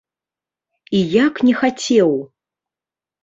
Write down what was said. І як не хацеў!